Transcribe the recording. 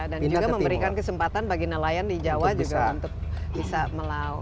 dan juga memberikan kesempatan bagi nelayan di jawa juga untuk bisa melawan